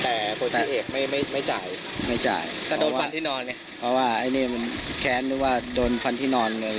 แต่คนตายเอกไม่ไม่จ่ายไม่จ่ายก็โดนฟันที่นอนไงเพราะว่าไอ้นี่มันแค้นนึกว่าโดนฟันที่นอนเลย